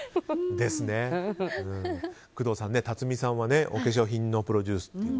工藤さん、立見さんはお化粧品のプロデュースと。